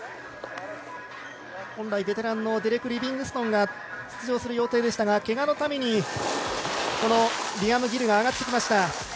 本来、ベテランの選手が出場する予定でしたがけがのためにリアム・ギルが上がってきました。